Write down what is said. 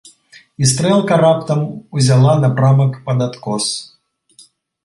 І стрэлка раптам узяла напрамак пад адкос.